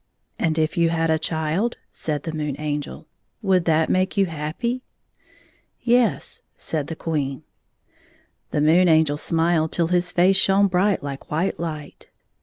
" And if you had a child," said the Moon Angel, "would that make you happy?" " Yes," said the Queen. The Moon Angel smiled till his face shone bright like white hght.